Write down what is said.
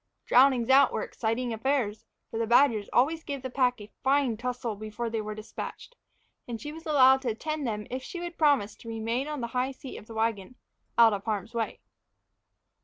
Drownings out were exciting affairs, for the badgers always gave the pack a fine tussle before they were despatched; and she was allowed to attend them if she would promise to remain on the high seat of the wagon, out of harm's way.